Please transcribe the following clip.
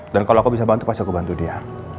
dan kalau aku bisa bantu pasti aku bantu dia